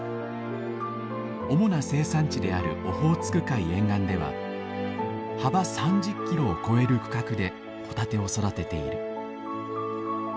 主な生産地であるオホーツク海沿岸では幅３０ｋｍを超える区画でホタテを育てている。